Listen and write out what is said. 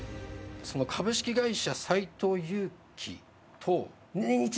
その株式会社斎藤佑樹とネンイチ！